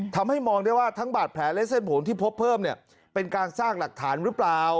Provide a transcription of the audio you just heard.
ทำให้มองได้ว่าทั้งบาดแผลและเส้นผมที่พบเพิ่มเนี่ยเป็นการสร้างหลักฐานหรือเปล่า